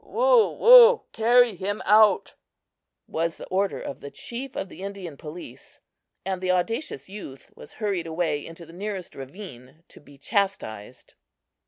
"Woo! woo! Carry him out!" was the order of the chief of the Indian police, and the audacious youth was hurried away into the nearest ravine to be chastised.